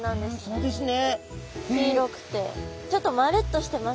そうですね。